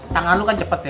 tangan lo kan cepet ya